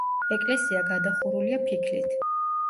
ეკლესია გადახურულია ფიქლით.